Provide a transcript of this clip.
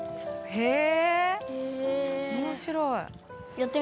へえ。